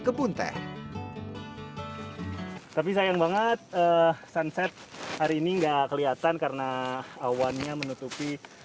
kebun teh body sayang banget eh sansek hari ini enggak kelihatan karena awalnya menutupi